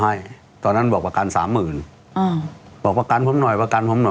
ให้ตอนนั้นบอกประกันสามหมื่นอ่าบอกประกันผมหน่อยประกันผมหน่อย